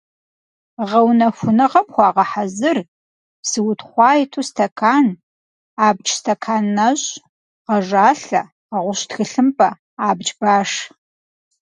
Гъэунэхуныгъэм хуэгъэхьэзыр псы утхъуа иту стэкан, абдж стэкан нэщӀ, гъэжалъэ, гъэгъущ тхылъымпӀэ, абдж баш.